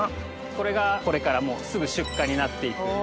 これがこれからすぐ出荷になっていく。